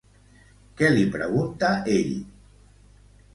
Què li pregunta ell?